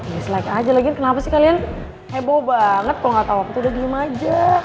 dislike aja lagi kenapa sih kalian heboh banget kalo gak tau waktu udah gimana aja